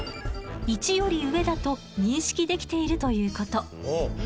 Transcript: １より上だと認識できているということ。